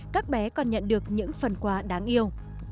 các bé còn nhận được những phần quà đáng yêu